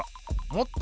もっと？